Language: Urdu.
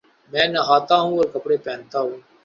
میں نہاتاہوں اور کپڑے پہنتا ہوں